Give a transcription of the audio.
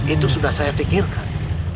itu sudah saya pikirkan